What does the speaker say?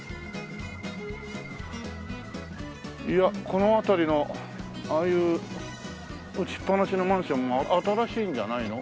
この辺りのああいう打ちっぱなしのマンションは新しいんじゃないの？